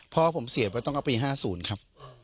พ่อผมเสียไปต้องเอาปี๕๐ครับ